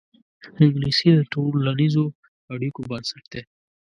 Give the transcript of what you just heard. انګلیسي د ټولنیزو اړیکو بنسټ دی